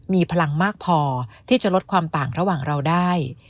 มีพลังมากพอที่จะลดความต่างระหว่างเราได้